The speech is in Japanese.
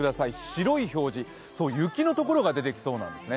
白い表示、そう雪の所が出てきそうなんですね。